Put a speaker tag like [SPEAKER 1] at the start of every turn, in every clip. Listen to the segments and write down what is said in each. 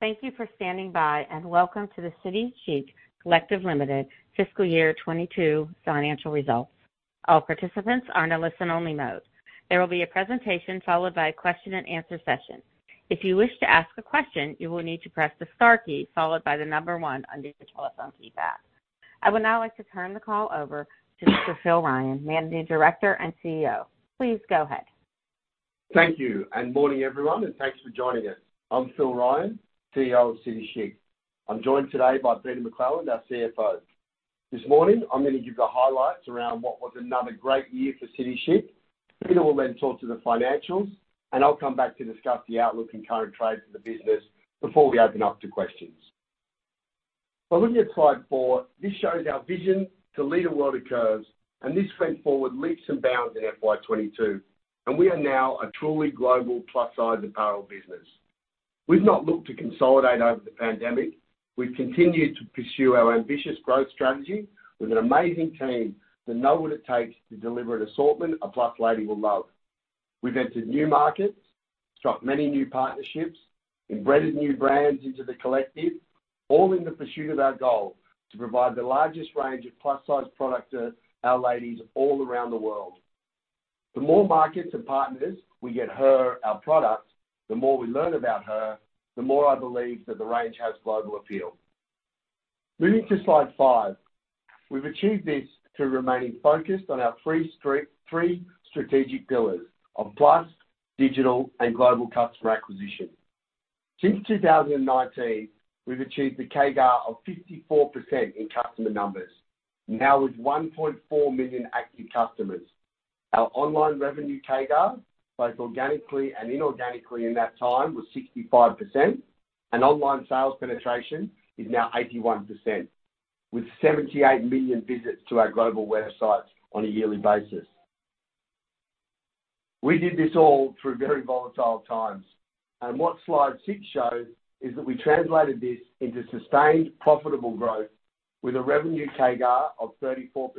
[SPEAKER 1] Thank you for standing by, and welcome to the City Chic Collective Limited Fiscal Year 2022 financial results. All participants are in a listen-only mode. There will be a presentation followed by a question and answer session. If you wish to ask a question, you will need to press the * key followed by the number one under your telephone keypad. I would now like to turn the call over to Mr. Phil Ryan, Managing Director and CEO. Please go ahead.
[SPEAKER 2] Thank you, and good morning, everyone, and thanks for joining us. I'm Phil Ryan, CEO of City Chic. I'm joined today by Peter McClelland, our CFO. This morning, I'm gonna give the highlights around what was another great year for City Chic. Peter will then talk to the financials, and I'll come back to discuss the outlook and current trade for the business before we open up to questions. Looking at slide 4, this shows our vision to lead a world of curves, and this went forward leaps and bounds in FY 2022, and we are now a truly global plus-size apparel business. We've not looked to consolidate over the pandemic. We've continued to pursue our ambitious growth strategy with an amazing team that know what it takes to deliver an assortment a plus lady will love. We've entered new markets, struck many new partnerships, embedded new brands into the collective, all in the pursuit of our goal, to provide the largest range of plus-size products to our ladies all around the world. The more markets and partners we get to her with our products, the more we learn about her, the more I believe that the range has global appeal. Moving to slide 5. We've achieved this through remaining focused on our 3 strategic pillars of plus, digital, and global customer acquisition. Since 2019, we've achieved a CAGR of 54% in customer numbers. Now with 1.4 million active customers, our online revenue CAGR, both organically and inorganically in that time was 65%, and online sales penetration is now 81%, with 78 million visits to our global websites on a yearly basis. We did this all through very volatile times, and what slide 6 shows is that we translated this into sustained profitable growth with a revenue CAGR of 34%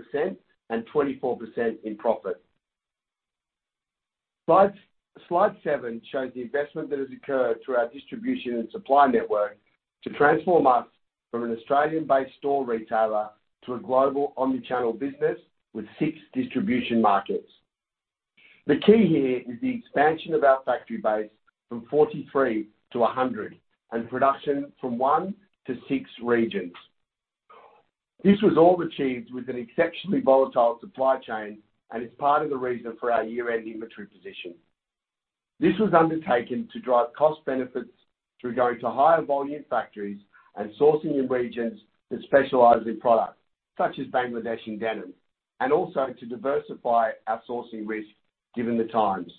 [SPEAKER 2] and 24% in profit. Slide 7 shows the investment that has occurred through our distribution and supply network to transform us from an Australian-based store retailer to a global omni-channel business with 6 distribution markets. The key here is the expansion of our factory base from 43 to 100 and production from 1 to 6 regions. This was all achieved with an exceptionally volatile supply chain and is part of the reason for our year-end inventory position. This was undertaken to drive cost benefits through going to higher volume factories and sourcing in regions that specialize in products such as Bangladesh in denim, and also to diversify our sourcing risk given the times.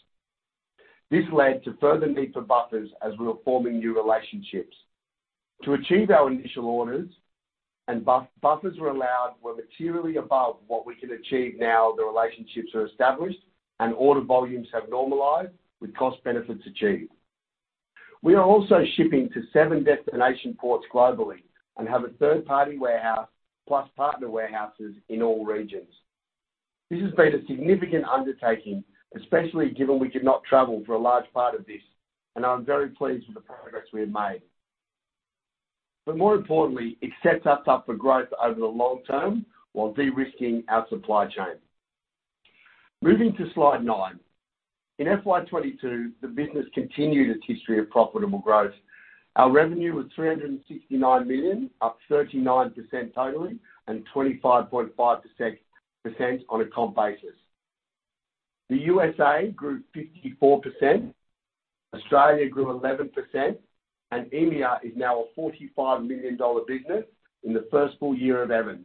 [SPEAKER 2] This led to further need for buffers as we were forming new relationships. To achieve our initial orders and buffers were allowed materially above what we can achieve now, the relationships are established and order volumes have normalized with cost benefits achieved. We are also shipping to 7 destination ports globally and have a third-party warehouse plus partner warehouses in all regions. This has been a significant undertaking, especially given we could not travel for a large part of this, and I'm very pleased with the progress we have made. More importantly, it sets us up for growth over the long- term while de-risking our supply chain. Moving to slide 9. In FY 2022, the business continued its history of profitable growth. Our revenue was 369 million, up 39% total and 25.5% on a comp basis. The USA grew 54%, Australia grew 11%, and EMEA is now a $45 million business in the first full-year of Evans.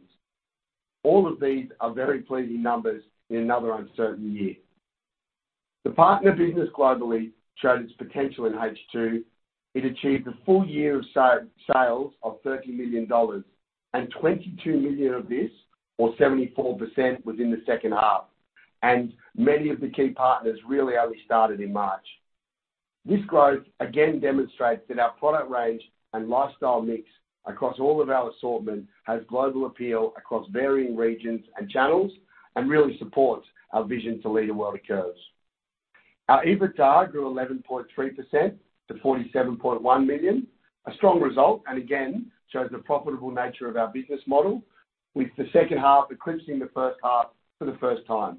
[SPEAKER 2] All of these are very pleasing numbers in another uncertain year. The partner business globally showed its potential in H2. It achieved a full-year of sales of $30 million, and $22 million of this or 74% was in the second half, and many of the key partners really only started in March. This growth again demonstrates that our product range and lifestyle mix across all of our assortment has global appeal across varying regions and channels and really supports our vision to lead a world of curves. Our EBITDA grew 11.3% to 47.1 million, a strong result, and again, shows the profitable nature of our business model, with the second half eclipsing the first half for the first time.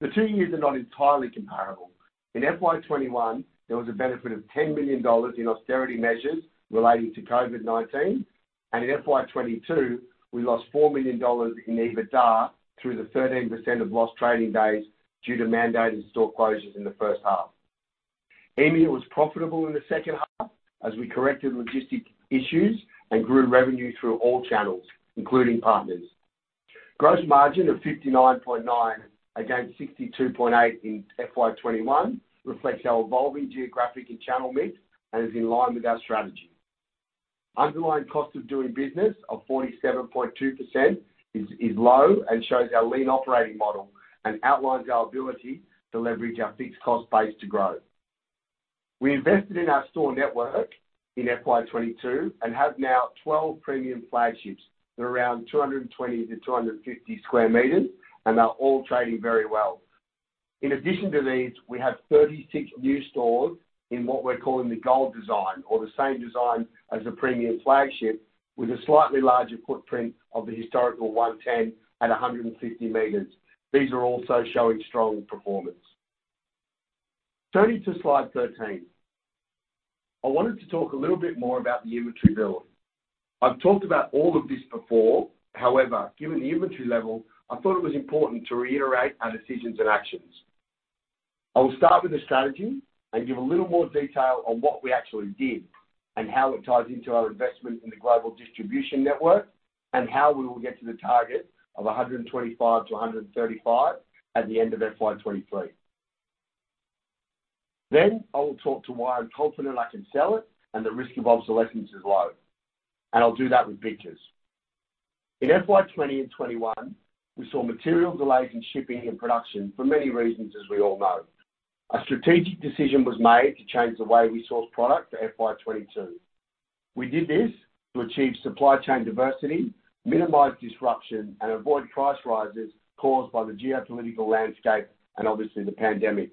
[SPEAKER 2] The two years are not entirely comparable. In FY 2021, there was a benefit of 10 million dollars in austerity measures relating to COVID-19, and in FY 2022, we lost 4 million dollars in EBITDA through the 13% of lost trading days due to mandated store closures in the first half. EMEA was profitable in the second half as we corrected logistics issues and grew revenue through all channels, including partners. Gross margin of 59.9% against 62.8% in FY 2021 reflects our evolving geographic and channel mix and is in line with our strategy. Underlying cost of doing business of 47.2% is low and shows our lean operating model and outlines our ability to leverage our fixed cost base to grow. We invested in our store network in FY22 and have now 12 premium flagships. They're around 220-250 square meters, and they're all trading very well. In addition to these, we have 36 new stores in what we're calling the gold design or the same design as a premium flagship with a slightly larger footprint of the historical 110 at 150 meters. These are also showing strong performance. Turning to slide 13. I wanted to talk a little bit more about the inventory build. I've talked about all of this before. However, given the inventory level, I thought it was important to reiterate our decisions and actions. I will start with the strategy and give a little more detail on what we actually did and how it ties into our investment in the global distribution network and how we will get to the target of 125-135 at the end of FY23. I will talk to why I'm confident I can sell it and the risk of obsolescence is low. I'll do that with pictures. In FY20 and FY21, we saw material delays in shipping and production for many reasons, as we all know. A strategic decision was made to change the way we source product for FY22. We did this to achieve supply chain diversity, minimize disruption, and avoid price rises caused by the geopolitical landscape and the pandemic.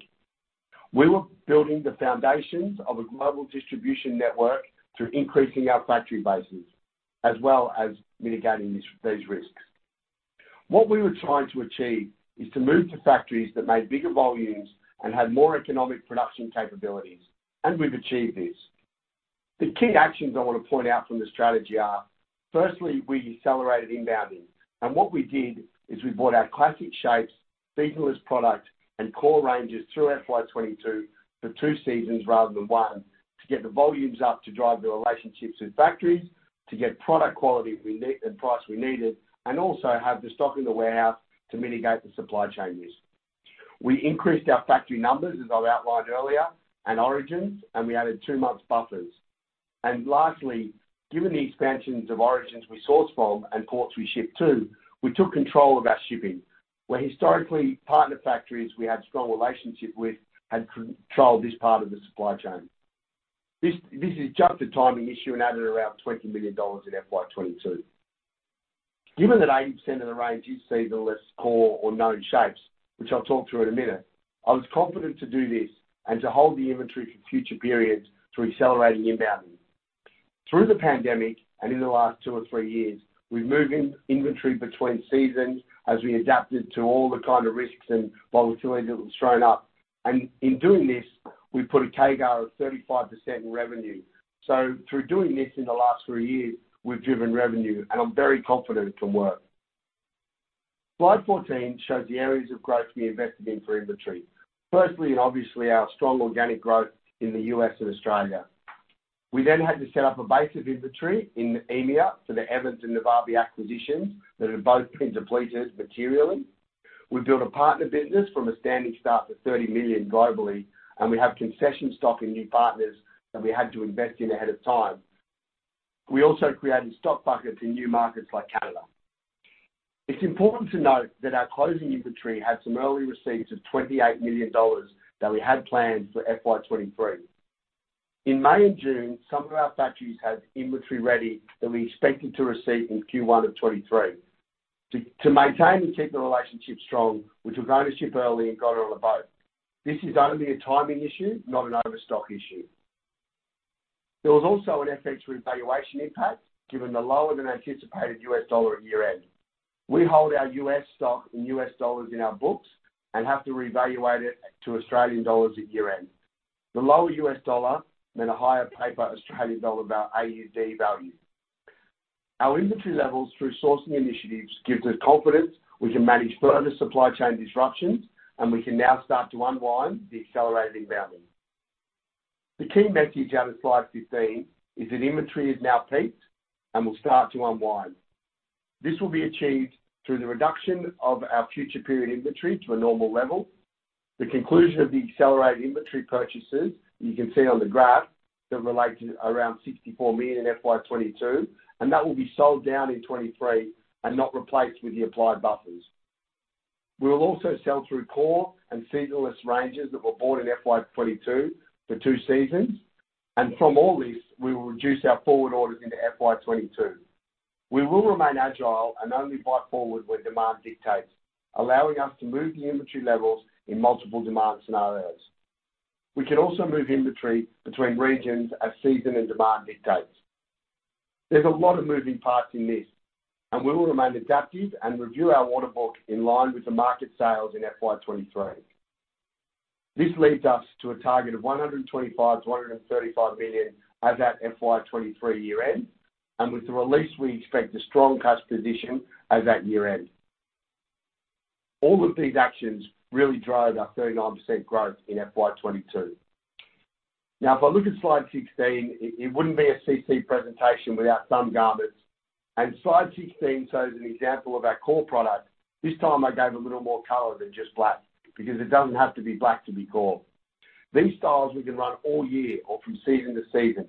[SPEAKER 2] We were building the foundations of a global distribution network through increasing our factory bases, as well as mitigating these risks. What we were trying to achieve is to move to factories that made bigger volumes and had more economic production capabilities, and we've achieved this. The key actions I want to point out from the strategy are, firstly, we accelerated inbounding. What we did is we bought our classic shapes, seasonless product, and core ranges through FY22 for two seasons rather than one to get the volumes up to drive the relationships with factories, to get product quality we need, and price we needed, and also have the stock in the warehouse to mitigate the supply chain risk. We increased our factory numbers, as I've outlined earlier, and origins, and we added two months buffers. Lastly, given the expansions of origins we source from and ports we ship to, we took control of our shipping. Where historically partner factories we had strong relationship with had controlled this part of the supply chain. This is just a timing issue and added around 20 million dollars in FY22. Given that 80% of the range is seasonless core or known shapes, which I'll talk through in a minute, I was confident to do this and to hold the inventory for future periods through accelerating inbounding. Through the pandemic and in the last two or three years, we've moved inventory between seasons as we adapted to all the kind of risks and volatility that was thrown up. In doing this, we put a CAGR of 35% in revenue. Through doing this in the last three years, we've driven revenue, and I'm very confident it can work. Slide 14 shows the areas of growth we invested in for inventory. Firstly, and, our strong organic growth in the U.S. and Australia. We then had to set up a base of inventory in EMEA for the Evans and Navabi acquisitions that have both been depleted materially. We built a partner business from a standing start for 30 million globally, and we have concession stock in new partners that we had to invest in ahead of time. We also created stock buckets in new markets like Canada. It's important to note that our closing inventory had some early receipts of 28 million dollars that we had planned for FY 2023. In May and June, some of our factories had inventory ready that we expected to receive in Q1 of 2023. To maintain and keep the relationship strong, which we've ordered a shipment early and got it on board. This is only a timing issue, not an overstock issue. There was also an FX revaluation impact given the lower than anticipated US dollar at year-end. We hold our U.S. stock in US dollars in our books and have to reevaluate it to Australian dollars at year-end. The lower US dollar meant a higher paper Australian dollar value. Our inventory levels through sourcing initiatives gives us confidence we can manage further supply chain disruptions, and we can now start to unwind the accelerated inbounding. The key message out of slide 15 is that inventory is now peaked and will start to unwind. This will be achieved through the reduction of our future period inventory to a normal level. The conclusion of the accelerated inventory purchases you can see on the graph that relate to around 64 million in FY22, and that will be sold down in 2023 and not replaced with the applied buffers. We will also sell through core and seasonless ranges that were bought in FY22 for two seasons. From all this, we will reduce our forward orders into FY22. We will remain agile and only buy forward when demand dictates, allowing us to move the inventory levels in multiple demand scenarios. We can also move inventory between regions as season and demand dictates. There's a lot of moving parts in this, and we will remain adaptive and review our order book in line with the market sales in FY23. This leads us to a target of 125 million-135 million as at FY23 year-end. With the release, we expect a strong cash position as at year-end. All of these actions really drove our 39% growth in FY22. Now, if I look at slide 16, it wouldn't be a CC presentation without some garments. Slide 16 shows an example of our core product. This time I gave a little more color than just black because it doesn't have to be black to be core. These styles we can run all year or from season to season.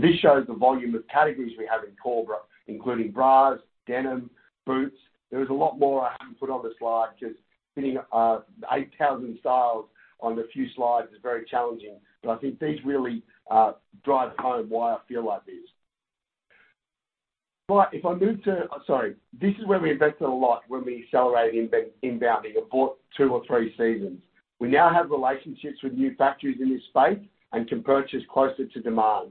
[SPEAKER 2] This shows the volume of categories we have in core, including bras, denim, boots. There is a lot more I haven't put on the slide because fitting 8,000 styles on a few slides is very challenging. I think these really drive home why I feel like this. Right. Sorry, this is where we invested a lot when we accelerated inbounding and bought two or three seasons. We now have relationships with new factories in this space and can purchase closer to demand.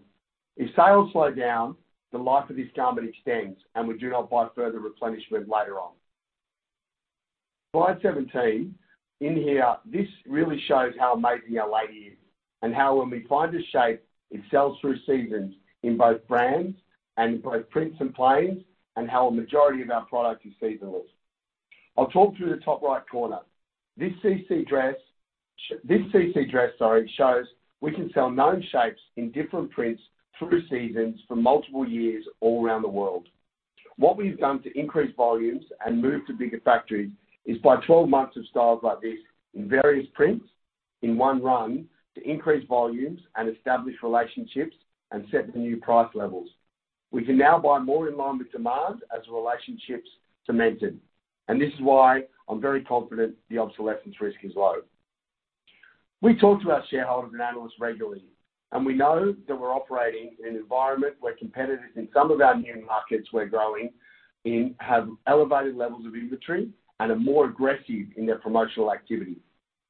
[SPEAKER 2] If sales slow down, the life of this garment extends, and we do not buy further replenishment later on. Slide 17. In here, this really shows how amazing our lady is, and how when we find a shape, it sells through seasons in both brands and both prints and plains, and how a majority of our product is seasonal. I'll talk through the top right corner. This CC dress, sorry, shows we can sell known shapes in different prints through seasons for multiple years all around the world. What we've done to increase volumes and move to bigger factories is buy 12 months of styles like this in various prints in one run to increase volumes and establish relationships and set the new price levels. We can now buy more in line with demand as the relationship's cemented, and this is why I'm very confident the obsolescence risk is low. We talk to our shareholders and analysts regularly, and we know that we're operating in an environment where competitors in some of our new markets we're growing in have elevated levels of inventory and are more aggressive in their promotional activity.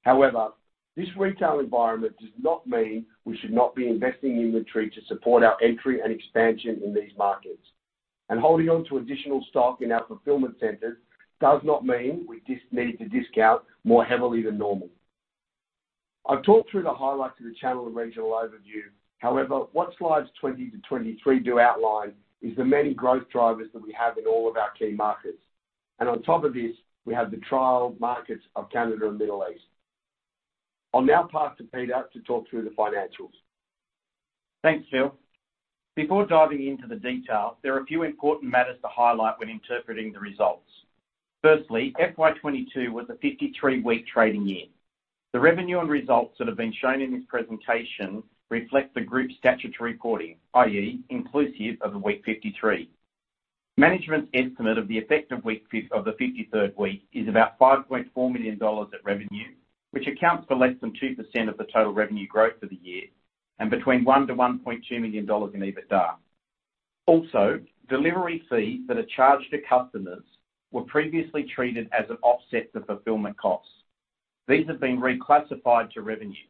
[SPEAKER 2] However, this retail environment does not mean we should not be investing in inventory to support our entry and expansion in these markets. Holding on to additional stock in our fulfillment centers does not mean we don't need to discount more heavily than normal. I've talked through the highlights of the channel and regional overview. However, what slides 20-23 do outline is the many growth drivers that we have in all of our key markets. On top of this, we have the trial markets of Canada and Middle East. I'll now pass to Peter to talk through the financials.
[SPEAKER 3] Thanks, Phil. Before diving into the detail, there are a few important matters to highlight when interpreting the results. Firstly, FY 2022 was a 53-week trading year. The revenue and results that have been shown in this presentation reflect the group's statutory reporting, i.e., inclusive of the week 53. Management's estimate of the effect of the fifty-third week is about 5.4 million dollars of revenue, which accounts for less than 2% of the total revenue growth for the year, and between 1 million-1.2 million dollars in EBITDA. Delivery fees that are charged to customers were previously treated as an offset to fulfillment costs. These have been reclassified to revenue.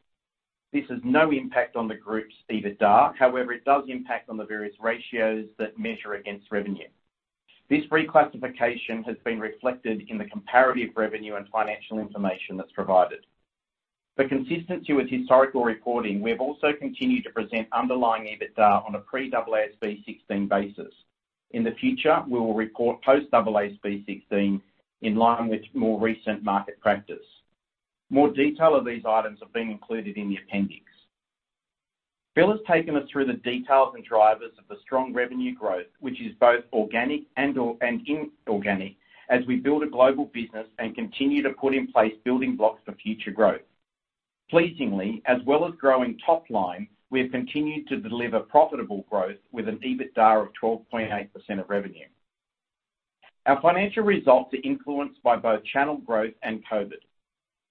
[SPEAKER 3] This has no impact on the group's EBITDA, however, it does impact on the various ratios that measure against revenue. This reclassification has been reflected in the comparative revenue and financial information that's provided. For consistency with historical reporting, we have also continued to present underlying EBITDA on a pre-AASB 16 basis. In the future, we will report post-AASB 16 in line with more recent market practice. More detail of these items have been included in the appendix. Phil has taken us through the details and drivers of the strong revenue growth, which is both organic and inorganic as we build a global business and continue to put in place building blocks for future growth. Pleasingly, as well as growing top-line, we have continued to deliver profitable growth with an EBITDA of 12.8% of revenue. Our financial results are influenced by both channel growth and COVID.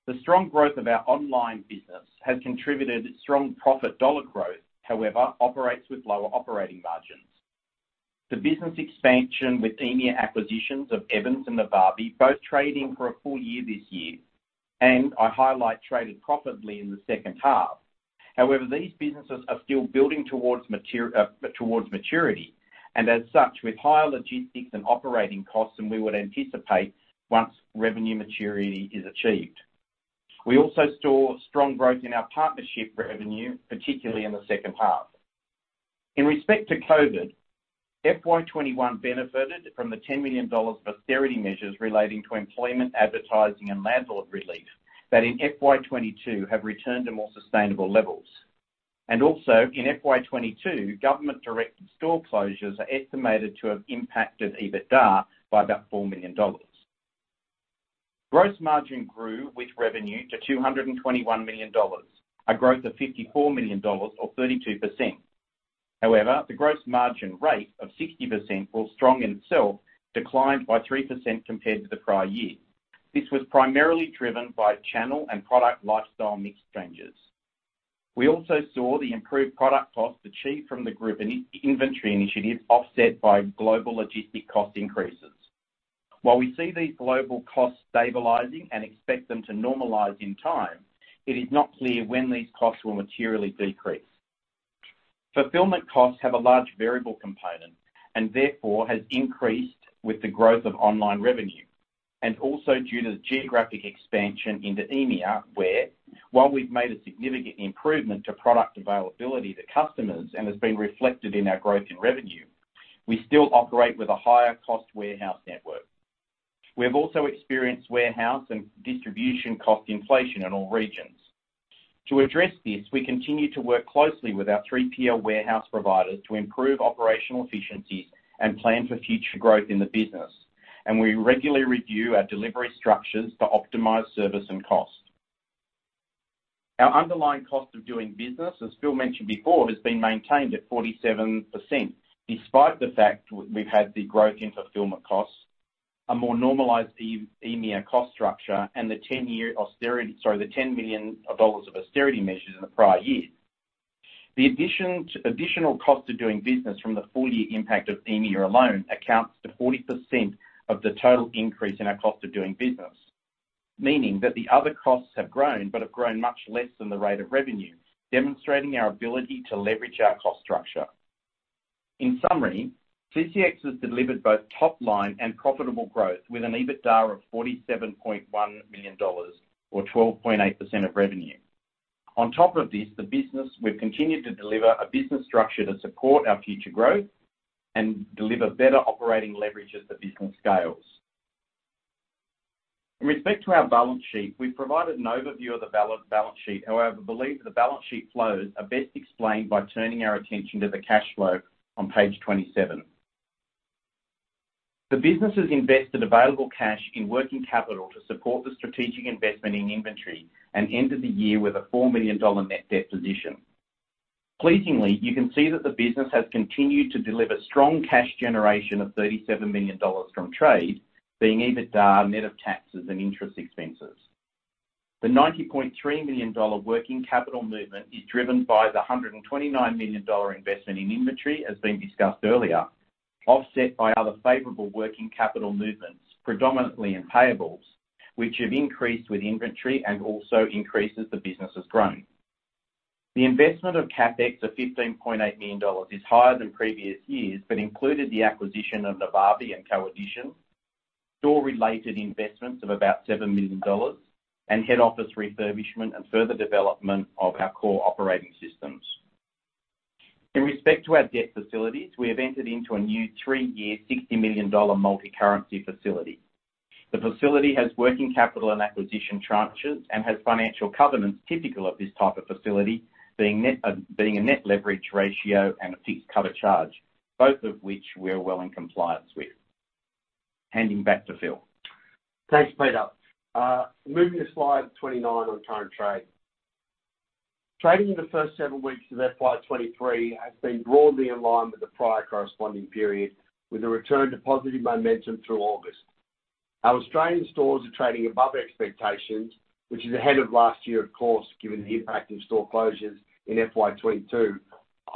[SPEAKER 3] The strong growth of our online business has contributed strong profit dollar growth, however operates with lower operating margins. The business expansion with EMEA acquisitions of Evans and Navabi both trading for a full-year this year, and I highlight traded profitably in the second half. However, these businesses are still building towards maturity, and as such, with higher logistics and operating costs than we would anticipate once revenue maturity is achieved. We also saw strong growth in our partnership revenue, particularly in the second half. In respect to COVID, FY21 benefited from the 10 million dollars of austerity measures relating to employment, advertising, and landlord relief that in FY22 have returned to more sustainable levels. Also, in FY22, government-directed store closures are estimated to have impacted EBITDA by about 4 million dollars. Gross margin grew with revenue to 221 million dollars, a growth of 54 million dollars or 32%. However, the gross margin rate of 60%, while strong in itself, declined by 3% compared to the prior year. This was primarily driven by channel and product lifestyle mix changes. We also saw the improved product costs achieved from the group inventory initiative offset by global logistic cost increases. While we see these global costs stabilizing and expect them to normalize in time, it is not clear when these costs will materially decrease. Fulfillment costs have a large variable component, and therefore has increased with the growth of online revenue, and also due to the geographic expansion into EMEA, where, while we've made a significant improvement to product availability to customers and has been reflected in our growth in revenue, we still operate with a higher-cost warehouse network. We have also experienced warehouse and distribution cost inflation in all regions. To address this, we continue to work closely with our 3PL warehouse providers to improve operational efficiencies and plan for future growth in the business, and we regularly review our delivery structures to optimize service and cost. Our underlying cost of doing business, as Phil mentioned before, has been maintained at 47%, despite the fact we've had the growth in fulfillment costs, a more normalized EMEA cost structure, and the 10 million dollars of austerity measures in the prior year. The additional cost of doing business from the full-year impact of EMEA alone accounts for 40% of the total increase in our cost of doing business, meaning that the other costs have grown but have grown much less than the rate of revenue, demonstrating our ability to leverage our cost structure. In summary, CCX has delivered both top-line and profitable growth with an EBITDA of 47.1 million dollars or 12.8% of revenue. On top of this, the business, we've continued to deliver a business structure to support our future growth and deliver better operating leverage as the business scales. In respect to our balance sheet, we've provided an overview of the balance sheet. However, we believe the balance sheet flows are best explained by turning our attention to the cash flow on page 27. The business invested available cash in working capital to support the strategic investment in inventory and ended the year with an 4 million dollar net debt position. Pleasingly, you can see that the business has continued to deliver strong cash generation of 37 million dollars from trade, being EBITDA net of taxes and interest expenses. The 90.3 million dollar working capital movement is driven by the 129 million dollar investment in inventory, as has been discussed earlier, offset by other favorable working capital movements, predominantly in payables, which have increased with inventory and also as the business has grown. The investment of CapEx of 15.8 million dollars is higher than previous years, but included the acquisition of Navabi and Coedition, store-related investments of about 7 million dollars and head office refurbishment and further development of our core operating systems. In respect to our debt facilities, we have entered into a new three-year, 60 million dollar multicurrency facility. The facility has working capital and acquisition tranches and has financial covenants typical of this type of facility, being a net leverage ratio and a fixed cover charge, both of which we are well in compliance with. Handing back to Phil.
[SPEAKER 2] Thanks, Peter. Moving to slide 29 on current trading. Trading in the first several weeks of FY 2023 has been broadly in line with the prior corresponding period, with a return to positive momentum through August. Our Australian stores are trading above expectations, which is ahead of last year, of course, given the impact of store closures in FY 2022.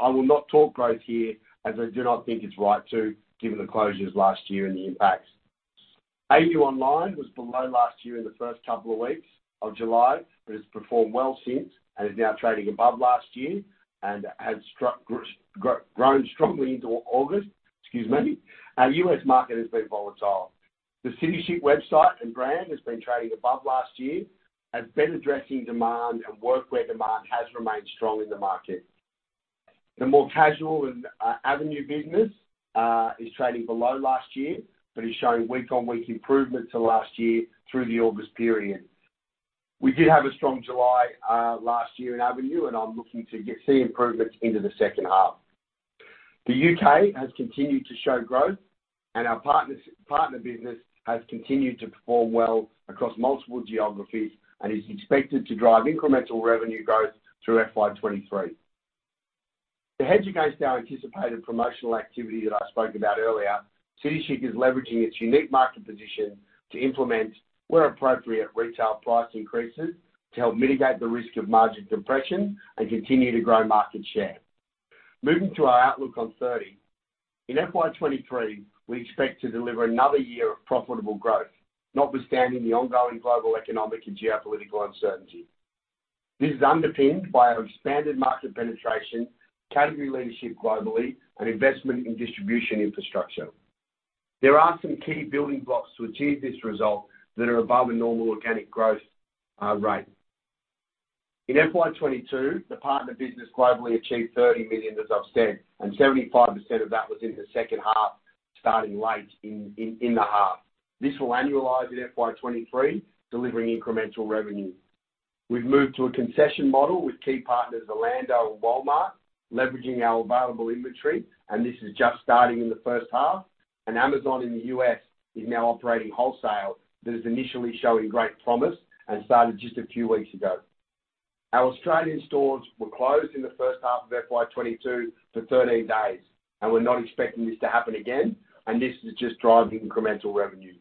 [SPEAKER 2] I will not talk growth here as I do not think it's right to given the closures last year and the impacts. AU online was below last year in the first couple of weeks of July, but it's performed well since and is now trading above last year and has grown strongly into August. Excuse me. Our U.S. market has been volatile. The City Chic website and brand has been trading above last year and been addressing demand and workwear demand has remained strong in the market. The more casual and Avenue business is trading below last year, but is showing week-on-week improvement to last year through the August period. We did have a strong July last year in Avenue, and I'm looking to see improvements into the second half. The U.K. has continued to show growth, and our partner business has continued to perform well across multiple geographies and is expected to drive incremental revenue growth through FY 2023. To hedge against our anticipated promotional activity that I spoke about earlier, City Chic is leveraging its unique market position to implement, where appropriate, retail price increases to help mitigate the risk of margin compression and continue to grow market share. Moving to our outlook on 30. In FY 2023, we expect to deliver another year of profitable growth, notwithstanding the ongoing global economic and geopolitical uncertainty. This is underpinned by our expanded market penetration, category leadership globally, and investment in distribution infrastructure. There are some key building blocks to achieve this result that are above a normal organic growth rate. In FY 2022, the partner business globally achieved 30 million, as I've said, and 75% of that was in the second half, starting late in the half. This will annualize in FY 2023, delivering incremental revenue. We've moved to a concession model with key partners, Orlando and Walmart, leveraging our available inventory, and this is just starting in the first half. Amazon in the U.S. is now operating wholesale that is initially showing great promise and started just a few weeks ago. Our Australian stores were closed in the first half of FY 2022 for 13 days, and we're not expecting this to happen again, and this is just driving incremental revenue.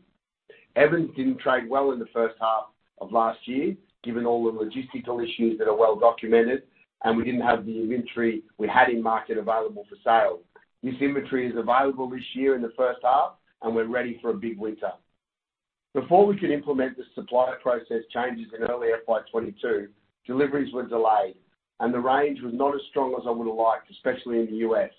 [SPEAKER 2] Evans didn't trade well in the first half of last year, given all the logistical issues that are well-documented, and we didn't have the inventory we had in market available for sale. This inventory is available this year in the first half, and we're ready for a big winter. Before we could implement the supply process changes in early FY 2022, deliveries were delayed, and the range was not as strong as I would've liked, especially in the U.S.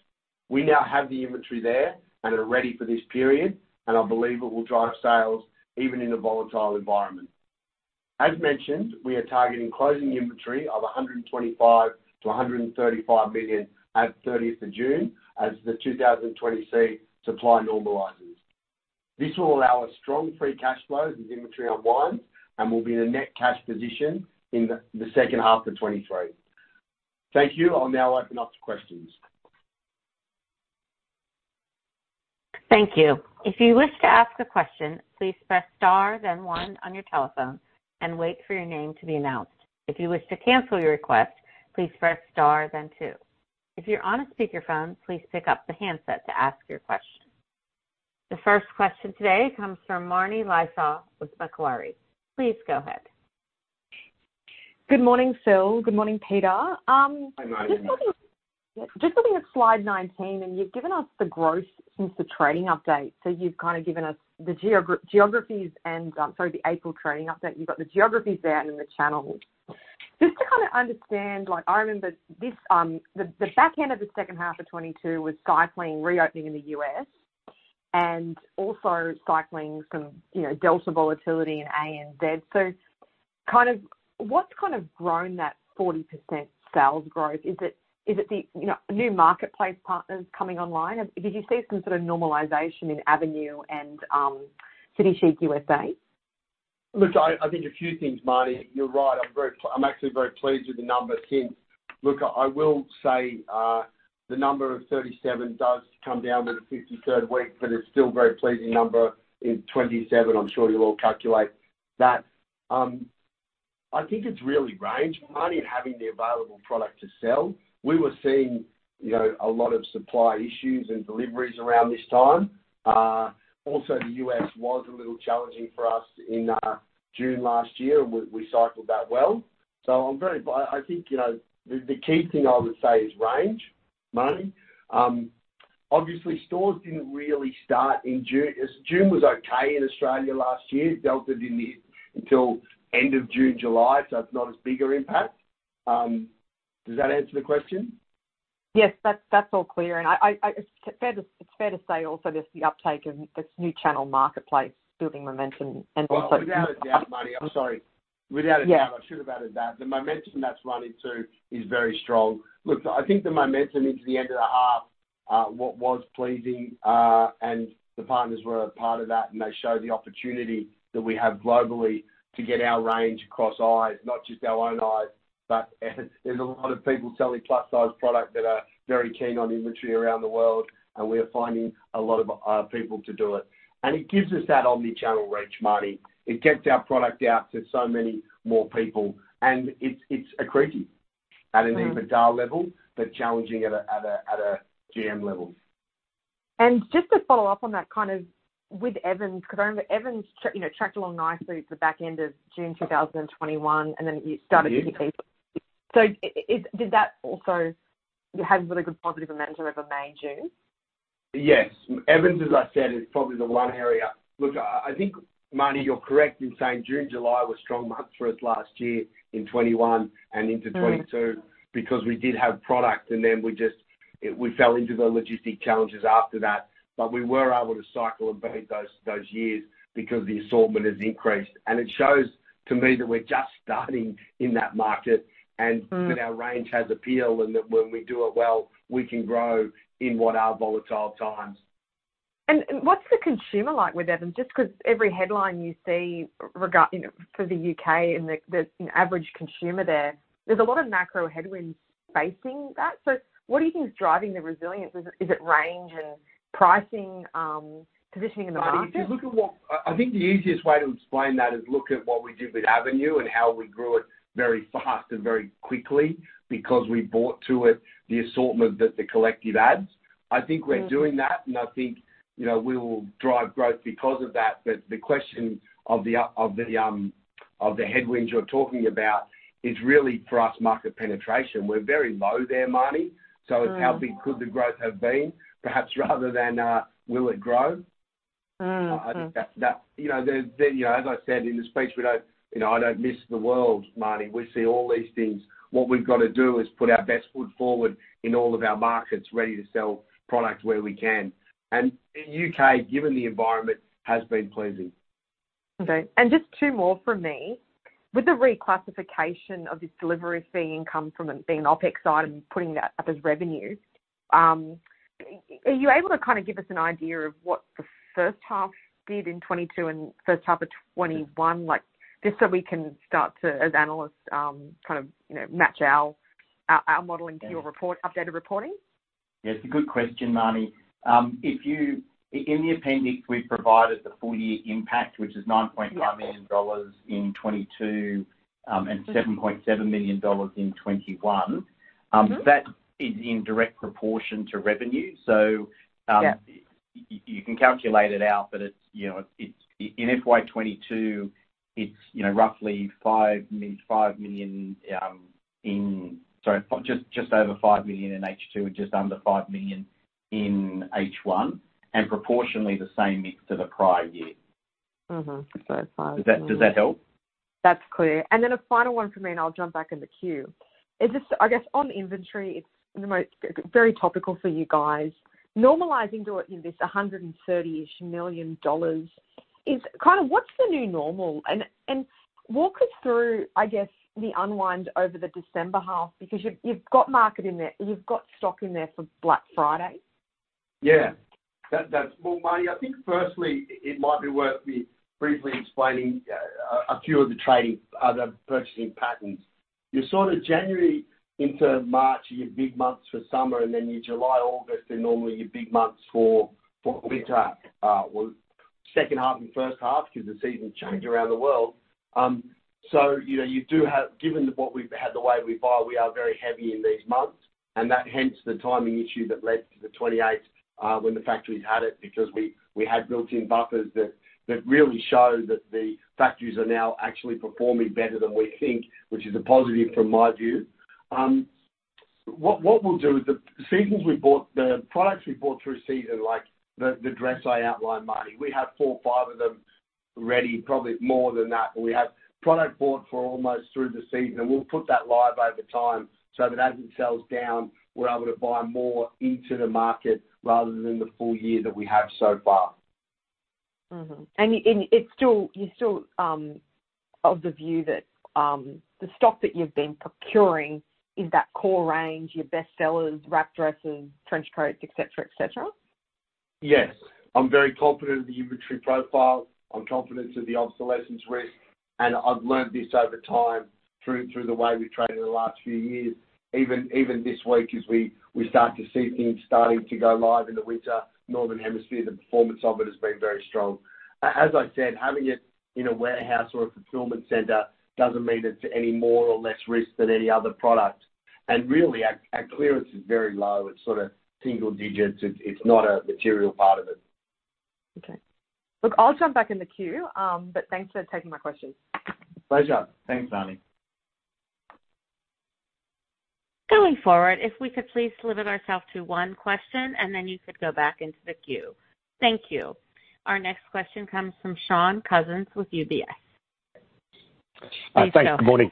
[SPEAKER 2] We now have the inventory there and are ready for this period, and I believe it will drive sales even in a volatile environment. As mentioned, we are targeting closing the inventory of 125 million-135 million at 30th of June as the 2020 supply chain normalizes. This will allow us a strong free cash flow as inventory unwinds and will be in a net cash position in the second half of 2023. Thank you. I'll now open up to questions.
[SPEAKER 1] Thank you. If you wish to ask a question, please press * then 1 on your telephone and wait for your name to be announced. If you wish to cancel your request, please press * then 2. If you're on a speakerphone, please pick up the handset to ask your question. The first question today comes from Marnie Lysaght with Macquarie. Please go ahead.
[SPEAKER 4] Good morning, Phil. Good morning, Peter.
[SPEAKER 2] Good morning, Marnie.
[SPEAKER 4] Just looking at slide 19, and you've given us the growth since the trading update. You've kind of given us the geographies and, sorry, the April trading update. You've got the geographies there and the channels. Just to kind of understand, like I remember this, the back end of the second half of 2022 was cycling, reopening in the U.S. and also cycling some, you know, delta volatility in ANZ. What's kind of grown that 40% sales growth? Is it the, you know, new marketplace partners coming online? Did you see some sort of normalization in Avenue and, City Chic USA?
[SPEAKER 2] Look, I think a few things, Marnie. You're right. I'm actually very pleased with the numbers since. Look, I will say, the number of 37 does come down to the 53rd week, but it's still a very pleasing number in 27. I'm sure you all calculate that. I think it's really range, Marnie, and having the available product to sell. We were seeing, you know, a lot of supply issues and deliveries around this time. Also, the U.S. was a little challenging for us in June last year, and we cycled that well. But I think, you know, the key thing I would say is range, Marnie. Stores didn't really start in June. June was okay in Australia last year. Delta didn't hit until end of June, July, so it's not as big an impact. Does that answer the question?
[SPEAKER 4] Yes. That's all clear. It's fair to say also just the uptake of this new channel marketplace building momentum and also.
[SPEAKER 2] Without a doubt, Marnie. I'm sorry. Without a doubt.
[SPEAKER 4] Yeah.
[SPEAKER 2] I should have added that. The momentum that's run into is very strong. Look, I think the momentum into the end of the half, what was pleasing, and the partners were a part of that, and they show the opportunity that we have globally to get our range across eyes, not just our own eyes, but there's a lot of people selling plus-size product that are very keen on inventory around the world, and we are finding a lot of people to do it. It gives us that omni-channel range, Marnie. It gets our product out to so many more people, and it's accretive at an EBITDA level, but challenging at a GM level.
[SPEAKER 4] Just to follow up on that kind of with Evans, because I remember Evans, you know, tracked along nicely at the back end of June 2021, and then you started to peak.
[SPEAKER 2] Yeah.
[SPEAKER 4] It did that also have a good positive momentum over May, June?
[SPEAKER 2] Yes. Evans, as I said, is probably the one area. Look, I think, Marnie, you're correct in saying June, July was strong months for us last year in 2021 and into 2022 because we did have product and then we just, we fell into the logistics challenges after that. We were able to cycle and beat those years because the assortment has increased. It shows to me that we're just starting in that market and-
[SPEAKER 4] Mm.
[SPEAKER 2] that our range has appeal and that when we do it well, we can grow in what are volatile times.
[SPEAKER 4] What's the consumer like with Evans? Just 'cause every headline you see regarding, you know, for the U.K. and the average consumer there's a lot of macro headwinds facing that. What do you think is driving the resilience? Is it range and pricing, positioning in the market?
[SPEAKER 2] I think the easiest way to explain that is, look at what we did with Avenue and how we grew it very fast and very quickly because we brought to it the assortment that the collective adds.
[SPEAKER 4] Mm.
[SPEAKER 2] I think we're doing that, and I think, you know, we will drive growth because of that. The question of the headwinds you're talking about is really for us market penetration. We're very low there, Marnie.
[SPEAKER 4] Mm.
[SPEAKER 2] It's how big could the growth have been, perhaps rather than will it grow?
[SPEAKER 4] Mm-hmm.
[SPEAKER 2] I think that's that. You know, the you know, as I said in the speech, we don't you know, I don't miss the world, Marnie. We see all these things. What we've got to do is put our best foot forward in all of our markets, ready to sell product where we can. U.K., given the environment, has been pleasing.
[SPEAKER 4] Okay. Just two more from me. With the reclassification of this delivery fee income from it being an OpEx side and putting that up as revenue, are you able to kind of give us an idea of what the first half did in 2022 and first half of 2021, like, just so we can start to, as analysts, kind of, you know, match our modeling to your updated reporting?
[SPEAKER 3] Yes, good question, Marnie. In the appendix, we've provided the full-year impact, which is 9.9 million dollars in 2022, and 7.7 million dollars in 2021.
[SPEAKER 4] Mm-hmm.
[SPEAKER 3] That is in direct proportion to revenue.
[SPEAKER 4] Yeah.
[SPEAKER 3] You can calculate it out, but it's in FY 2022 just over 5 million in H2 and just under 5 million in H1, and proportionally the same mix to the prior year.
[SPEAKER 4] Mm-hmm.
[SPEAKER 3] Does that help?
[SPEAKER 4] That's clear. A final one for me, and I'll jump back in the queue. Is this, on inventory, it's the most very topical for you guys. Normalizing to it, this 130-ish million dollars is kind of what's the new normal? Walk us through, the unwind over the December half, because you've got markdown in there, you've got stock in there for Black Friday.
[SPEAKER 2] Yeah. That's more money. I think firstly it might be worth me briefly explaining a few of the purchasing patterns. You're sort of January into March are your big months for summer, and then your July, August are normally your big months for winter, second half and first half, because the seasons change around the world. You know, you do have, given what we've had, the way we buy, we are very heavy in these months, and that hence the timing issue that led to the 28th, when the factories had it, because we had built-in buffers that really show that the factories are now actually performing better than we think, which is a positive from my view. What we'll do is the products we bought through season, like the dress I outlined, Marnie. We have 4 or 5 of them ready, probably more than that. We have product bought for almost through the season, and we'll put that live over time so that as it sells down, we're able to buy more into the market rather than the full-year that we have so far.
[SPEAKER 4] You're still of the view that the stock that you've been procuring is that core range, your best sellers, wrap dresses, trench coats, et cetera, et cetera?
[SPEAKER 2] Yes. I'm very confident of the inventory profile. I'm confident of the obsolescence risk, and I've learned this over time through the way we've traded in the last few years. Even this week as we start to see things starting to go live in the winter, Northern Hemisphere, the performance of it has been very strong. As I said, having it in a warehouse or a fulfillment center doesn't mean it's any more or less risk than any other product. Really, our clearance is very low. It's sort of single-digits. It's not a material part of it.
[SPEAKER 4] Okay. Look, I'll jump back in the queue, but thanks for taking my questions.
[SPEAKER 2] Pleasure. Thanks, Marnie.
[SPEAKER 1] Going forward, if we could please limit ourselves to one question, and then you could go back into the queue. Thank you. Our next question comes from Shaun Cousins with UBS.
[SPEAKER 2] Thanks, Sean.
[SPEAKER 5] Please. Good morning.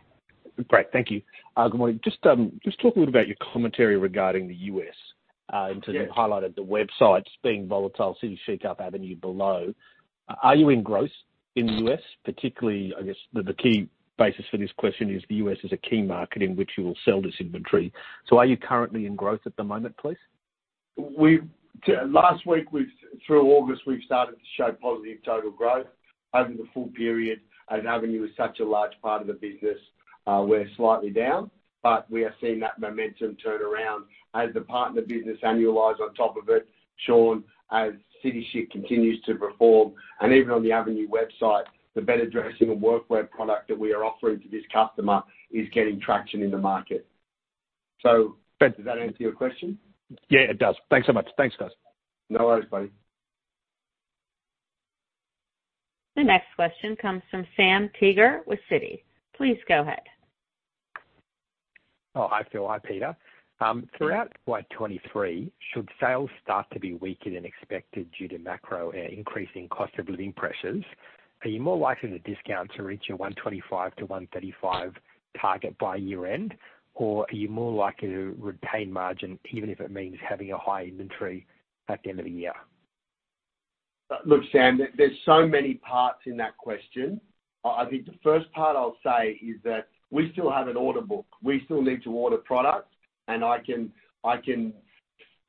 [SPEAKER 5] Great. Thank you. Good morning. Just talk a little about your commentary regarding the U.S.
[SPEAKER 2] Yes.
[SPEAKER 5] In terms of highlighting the websites being volatile, City Chic, Avenue below. Are you seeing growth in the U.S. particularly? The key basis for this question is the U.S. is a key market in which you will sell this inventory. Are you currently seeing growth at the moment, please?
[SPEAKER 2] Last week, through August, we've started to show positive total growth over the full period. Avenue is such a large part of the business, we're slightly down, but we are seeing that momentum turn around. As the partner business annualize on top of it, Shaun, as City Chic continues to perform, and even on the Avenue website, the better dressing and workwear product that we are offering to this customer is getting traction in the market. Shaun, does that answer your question?
[SPEAKER 5] Yeah, it does. Thanks so much. Thanks, guys.
[SPEAKER 2] No worries, buddy.
[SPEAKER 1] The next question comes from Sam Teeger with Citi. Please go ahead.
[SPEAKER 6] Hi, Phil. Hi, Peter. Throughout Q4 2023, should sales start to be weaker than expected due to macro and increasing cost of living pressures, are you more likely to discount to reach your 125-135 target by year-end, or are you more likely to retain margin even if it means having a high-inventory at the end of the year?
[SPEAKER 2] Look, Sam, there's so many parts in that question. I think the first part I'll say is that we still have an order book. We still need to order products, and I can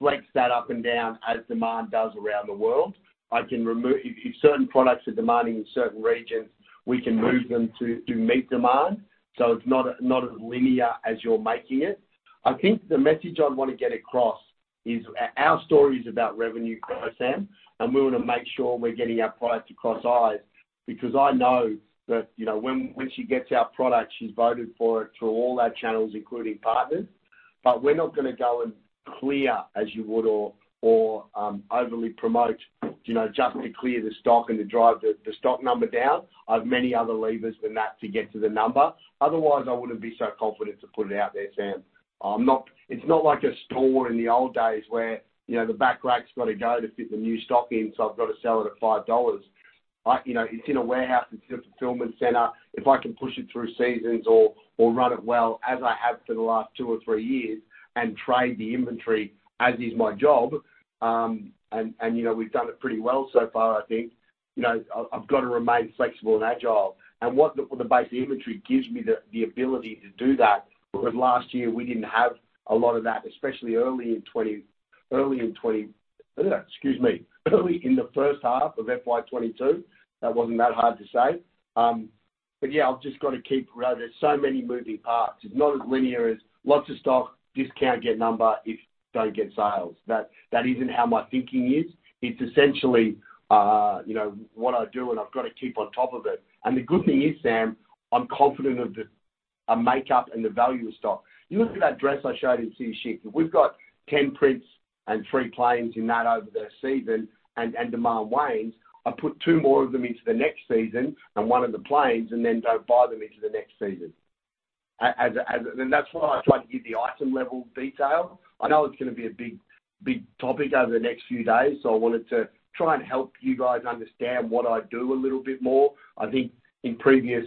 [SPEAKER 2] flex that up and down as demand does around the world. If certain products are demanding in certain regions, we can move them to meet demand. It's not as linear as you're making it. I think the message I want to get across is our story is about revenue growth, Sam, and we want to make sure we're getting our products across eyes because I know that, you know, when she gets our product, she's voted for it through all our channels, including partners. We're not gonna go and clear as you would or overly promote, you know, just to clear the stock and to drive the stock number down. I have many other levers than that to get to the number. Otherwise, I wouldn't be so confident to put it out there, Sam. It's not like a store in the old days where, you know, the back rack's got to go to fit the new stock in, so I've got to sell it at 5 dollars. You know, it's in a warehouse, it's in a fulfillment center. If I can push it through seasons or run it well as I have for the last two or three years and trade the inventory as is my job, and, you know, we've done it pretty well so far, I think. You know, I've got to remain flexible and agile. What the base inventory gives me the ability to do that, because last year we didn't have a lot of that, especially early in the first half of FY 22. That wasn't that hard to say. Yeah, I've just got to keep. There are so many moving parts. It's not as linear as lots of stock, discount, get number if don't get sales. That isn't how my thinking is. It's essentially, you know, what I do, and I've got to keep on top of it. The good thing is, Sam, I'm confident of our makeup and the value of stock. You look at that dress I showed in City Chic. If we've got 10 prints and 3 plains in that over the season and demand wanes, I put 2 more of them into the next season and 1 of the plains and then don't buy them into the next season. That's why I try to give the item-level detail. I know it's gonna be a big, big topic over the next few days, so I wanted to try and help you guys understand what I do a little bit more. I think in previous,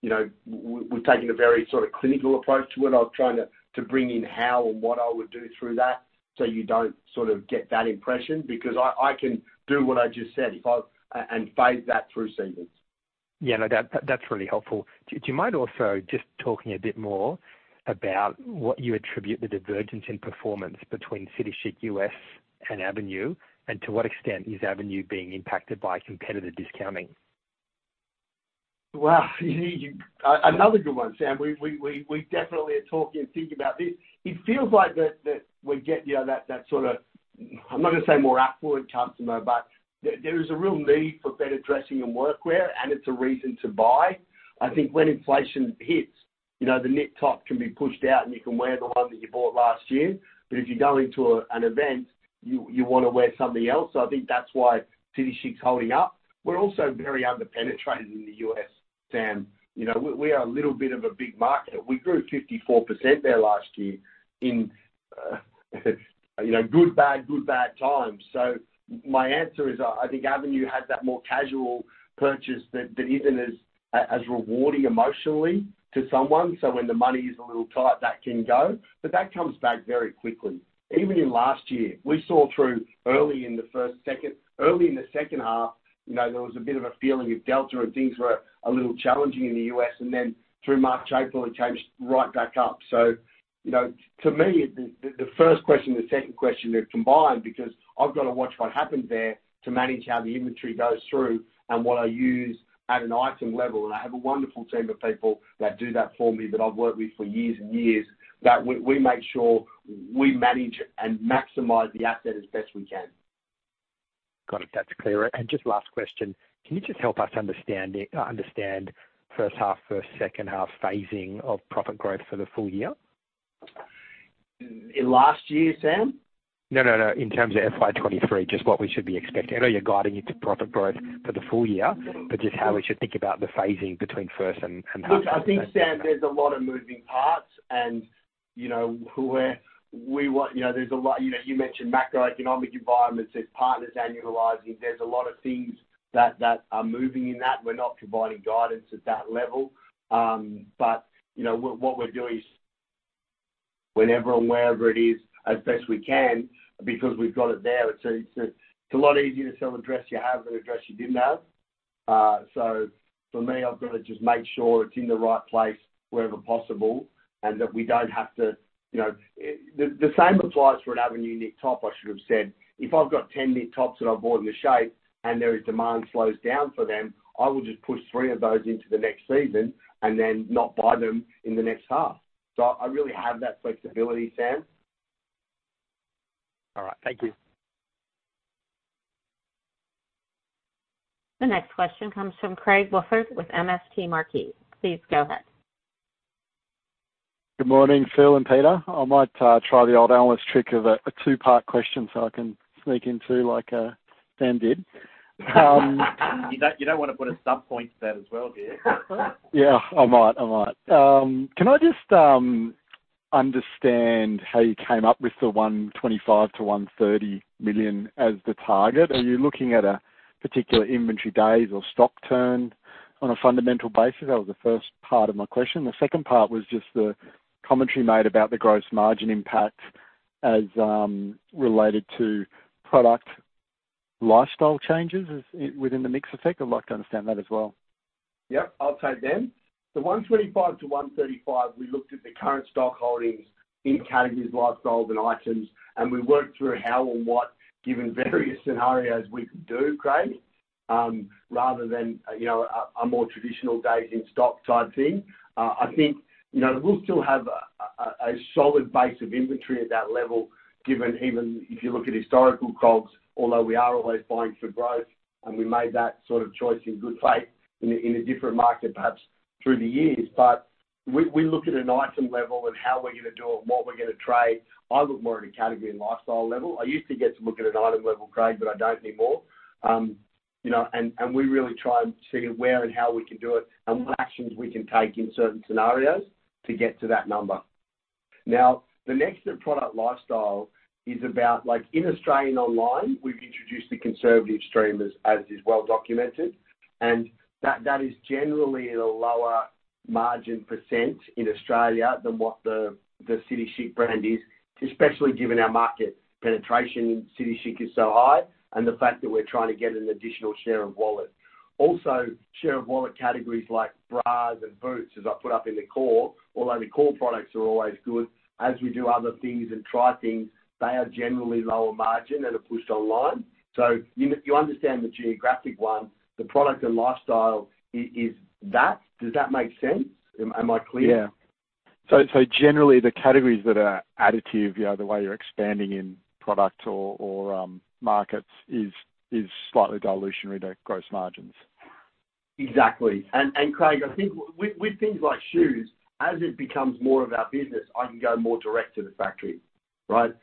[SPEAKER 2] you know, we've taken a very sort of clinical approach to it. I was trying to bring in how and what I would do through that, so you don't sort of get that impression because I can do what I just said if I phase that through seasons.
[SPEAKER 6] Yeah. No, that's really helpful. Do you mind also just talking a bit more about what you attribute the divergence in performance between City Chic U.S. and Avenue, and to what extent is Avenue being impacted by competitive discounting?
[SPEAKER 2] Well, another good one, Sam. We definitely are talking and thinking about this. It feels like that we get, you know, that sort of, I'm not gonna say more upscale customer, but there is a real need for better dressing and workwear, and it's a reason to buy. I think when inflation hits, you know, the knit top can be pushed out, and you can wear the one that you bought last year. But if you're going to an event, you wanna wear something else. I think that's why City Chic's holding up. We're also very under-penetrated in the U.S., Sam. You know, it's a little bit of a big market. We grew 54% there last year in, you know, good, bad times. My answer is, I think Avenue had that more casual purchase that isn't as rewarding emotionally to someone. When the money is a little tight, that can go, but that comes back very quickly. Even in last year, we saw through early in the second half, you know, there was a bit of a feeling of Delta and things were a little challenging in the U.S., and then through March, April, it changed right back up. You know, to me, the first question and the second question are combined because I've got to watch what happened there to manage how the inventory goes through and what I use at an item level. I have a wonderful team of people that do that for me, that I've worked with for years and years, that we make sure we manage and maximize the asset as best we can.
[SPEAKER 6] Got it. That's clearer. Just last question, can you just help us understand first half, second half phasing of profit growth for the full-year?
[SPEAKER 2] In last year, Sam?
[SPEAKER 6] No, no. In terms of FY 2023, just what we should be expecting. I know you're guiding into profit growth for the full-year, but just how we should think about the phasing between first half and second half?
[SPEAKER 2] Look, I think, Sam, there's a lot of moving parts and, you know. You know, you mentioned macroeconomic environments, there's partners annualizing. There's a lot of things that are moving in that. We're not providing guidance at that level. But, you know, what we're doing is whenever and wherever it is as best we can because we've got it there. So it's a lot easier to sell a dress you have than a dress you didn't have. So for me, I've got to just make sure it's in the right place wherever possible and that we don't have to, you know. The same applies for an Avenue knit top, I should have said. If I've got 10 knit tops that I've bought in the shape and their demand slows down for them, I will just push 3 of those into the next season and then not buy them in the next half. I really have that flexibility, Sam.
[SPEAKER 6] All right. Thank you.
[SPEAKER 1] The next question comes from Craig Woolford with MST Marquee. Please go ahead.
[SPEAKER 7] Good morning, Phil and Peter. I might try the old analyst trick of a two-part question so I can sneak in two like Sam did.
[SPEAKER 2] You don't wanna put a sub point to that as well, do you?
[SPEAKER 7] Yeah, I might. Can I just understand how you came up with the 125 million-130 million as the target? Are you looking at a particular inventory days or stock turn on a fundamental basis? That was the first part of my question. The second part was just the commentary made about the gross margin impact as related to product lifestyle changes within the mix effect. I'd like to understand that as well.
[SPEAKER 2] Yep, I'll take them. The 125 to 135, we looked at the current stock holdings in categories, lifestyles, and items, and we worked through how and what, given various scenarios we could do, Craig, rather than, you know, a more traditional days in stock type thing. I think, you know, we'll still have a solid base of inventory at that level, given even if you look at historical COGS, although we are always buying for growth, and we made that sort of choice in good faith in a different market, perhaps through the years. We look at an item level and how we're gonna do it, what we're gonna trade. I look more at a category and lifestyle level. I used to get to look at an item level, Craig, but I don't anymore. You know, we really try and see where and how we can do it and what actions we can take in certain scenarios to get to that number. Now, the next of product lifestyle is about, like in Australian Online, we've introduced the conservative stream as is well documented, and that is generally at a lower margin percent in Australia than what the City Chic brand is, especially given our market penetration in City Chic is so high and the fact that we're trying to get an additional share of wallet. Also, share of wallet categories like bras and boots, as I put up in the core, although the core products are always good, as we do other things and try things, they are generally lower margin and are pushed online. You understand the geographic one, the product and lifestyle is that. Does that make sense? Am I clear?
[SPEAKER 7] Generally, the categories that are additive, you know, the way you're expanding in product or markets is slightly dilutionary to gross margins.
[SPEAKER 2] Exactly. Craig, I think with things like shoes, as it becomes more of our business, I can go more direct to the factory, right?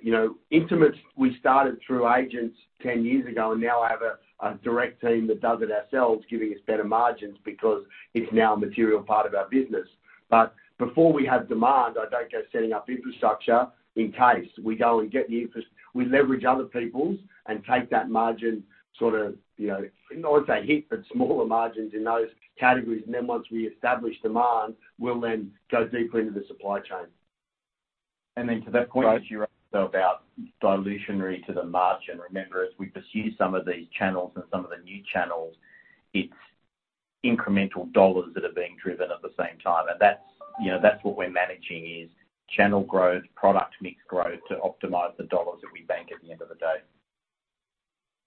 [SPEAKER 2] You know, intimates, we started through agents ten years ago, and now I have a direct team that does it ourselves, giving us better margins because it's now a material part of our business. But before we have demand, I don't go setting up infrastructure in case. We leverage other people's and take that margin sort of, you know, I'd say hit, but smaller margins in those categories, and then once we establish demand, we'll then go deeper into the supply chain.
[SPEAKER 3] To that point about dilutive to the margin, remember, as we pursue some of these channels and some of the new channels, it's incremental dollars that are being driven at the same time. That's, you know, that's what we're managing is channel growth, product mix growth to optimize the dollars that we bank at the end of the day.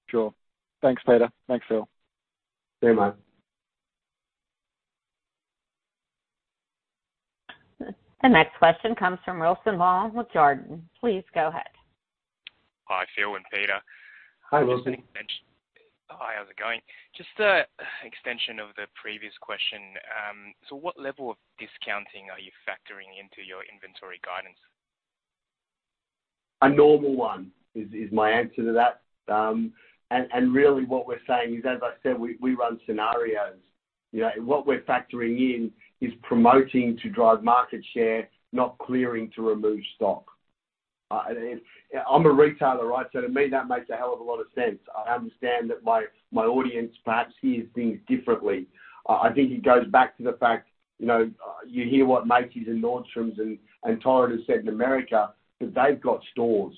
[SPEAKER 7] Sure. Thanks, Peter. Thanks, Phil.
[SPEAKER 2] Very much.
[SPEAKER 1] The next question comes from Wilson Wong with Jarden. Please go ahead.
[SPEAKER 8] Hi, Phil and Peter.
[SPEAKER 2] Hi, Wilson.
[SPEAKER 8] Hi, how's it going? Just an extension of the previous question. So what level of discounting are you factoring into your inventory guidance?
[SPEAKER 2] A normal one is my answer to that. Really what we're saying is, as I said, we run scenarios, you know. What we're factoring in is promoting to drive market share, not clearing to remove stock. You know, I'm a retailer, right? To me, that makes a hell of a lot of sense. I understand that my audience perhaps sees things differently. I think it goes back to the fact, you know, you hear what Macy's and Nordstrom's and Torrid has said in America, that they've got stores.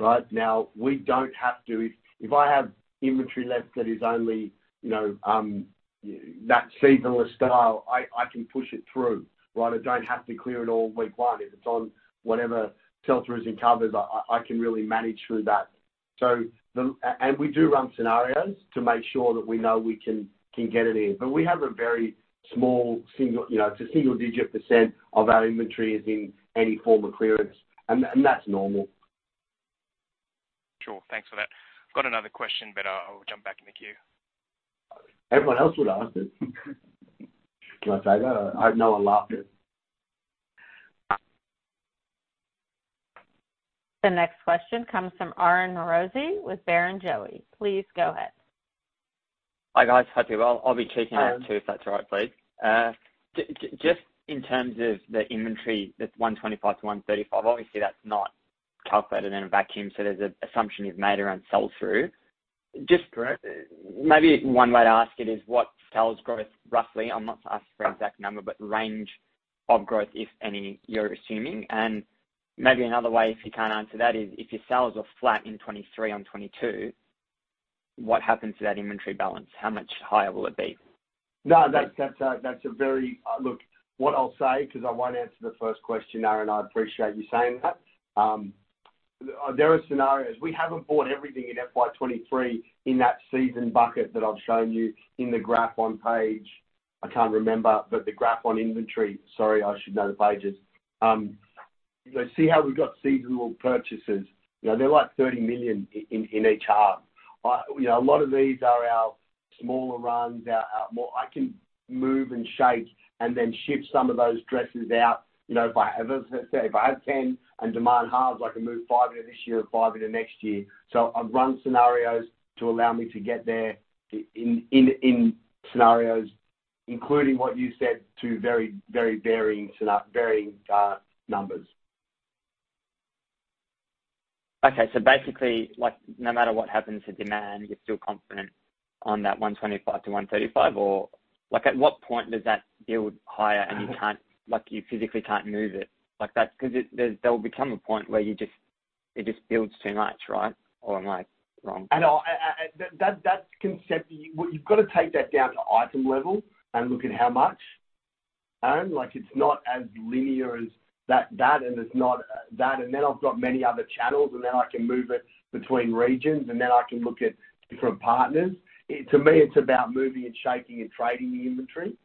[SPEAKER 2] Right? Now, we don't have to. If I have inventory left that is only, you know, that seasonal style, I can push it through, right? I don't have to clear it all week one. If it's on whatever sell-throughs and covers, I can really manage through that. We do run scenarios to make sure that we know we can get it in. We have a very small single-digit % of our inventory in any form of clearance, you know, and that's normal.
[SPEAKER 8] Sure. Thanks for that. I've got another question, but I'll jump back in the queue.
[SPEAKER 2] Everyone else would ask it. Can I say that? I know I laughed it.
[SPEAKER 1] The next question comes from Aaron Rossi with Barrenjoey. Please go ahead.
[SPEAKER 9] Hi, guys. Hi, Phil. I'll be checking out too, if that's all right, please. Just in terms of the inventory, that's 125-135. That's not calculated in a vacuum, so there's an assumption you've made around sell-through. Just maybe one way to ask it is what sales growth, roughly, I'm not asking for exact number, but range of growth, if any, you're assuming. Maybe another way, if you can't answer that, is if your sales are flat in 2023 on 2022, what happens to that inventory balance? How much higher will it be?
[SPEAKER 2] Look, what I'll say, 'cause I won't answer the first question, Aaron. I appreciate you saying that. There are scenarios. We haven't bought everything in FY 2023 in that season bucket that I've shown you in the graph on page I can't remember, but the graph on inventory. Sorry, I should know the pages. You know, see how we've got seasonal purchases. You know, they're like 30 million in each half. A lot of these are our smaller runs, our more I can move and shake and then ship some of those dresses out, you know, if I ever, let's say, if I have 10 and demand halves, I can move 5 into this year and 5 into next year. I've run scenarios to allow me to get there in scenarios, including what you said to very varying numbers.
[SPEAKER 9] Okay. Basically, like, no matter what happens to demand, you're still confident on that 125-135? Or like, at what point does that build higher and you can't, like, you physically can't move it? Like, 'cause there will become a point where it just builds too much, right? Or am I wrong?
[SPEAKER 2] No. Well, you've got to take that down to item level and look at how much. It's not as linear as that, and it's not that. I've got many other channels, and then I can move it between regions, and then I can look at different partners. To me, it's about moving and shaking and trading the inventory.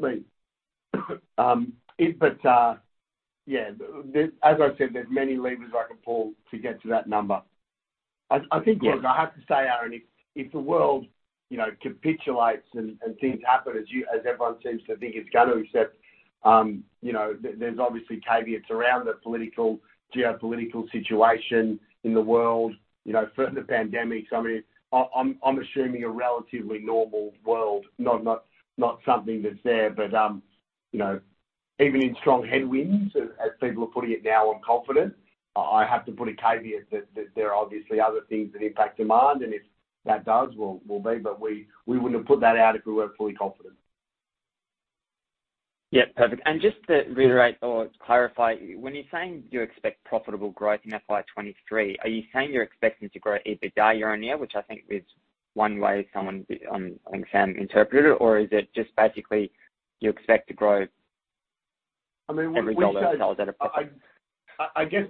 [SPEAKER 2] But yeah. As I said, there's many levers I can pull to get to that number. I think, yes, I have to say, Aaron, if the world, you know, capitulates and things happen as everyone seems to think it's going to, except, you know, there's caveats around the geopolitical situation in the world, you know, further pandemics. I mean, I'm assuming a relatively normal world, not something that's there. You know, even in strong headwinds, as people are putting it now, I'm confident. I have to put a caveat that there are other things that impact demand. If that does, we'll be, but we wouldn't have put that out if we weren't fully confident.
[SPEAKER 9] Yeah. Perfect. Just to reiterate or clarify, when you're saying you expect profitable growth in FY 2023, are you saying you're expecting to grow EBITDA year-on-year, which I think is one way someone on Sam interpreted, or is it just basically you expect to grow-
[SPEAKER 2] I mean, we showed.
[SPEAKER 9] Every dollar sales at a profit.